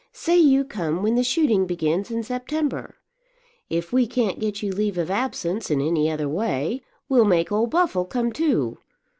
Say you come when the shooting begins in September. If we can't get you leave of absence in any other way, we'll make old Buffle come too.